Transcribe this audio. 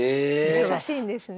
優しいんですね。